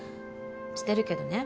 してるけどね。